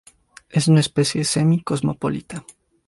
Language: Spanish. Es una especie semi-cosmopolita.